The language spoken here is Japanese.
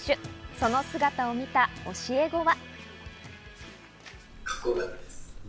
その姿を見た教え子は。